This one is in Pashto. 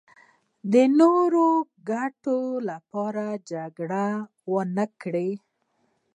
د نورو د ګټو لپاره جګړه ونکړي.